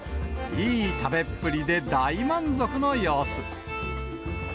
いい食べっぷりで大満足の様子。